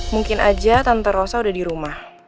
mungkin aja tante rosa udah di rumah